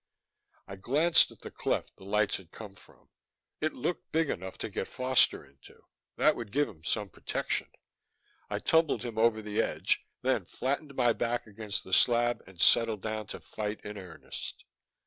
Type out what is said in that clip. I glanced at the cleft the lights had come from. It looked big enough to get Foster into. That would give him some protection. I tumbled him over the edge, then flattened my back against the slab and settled down to fight in earnest.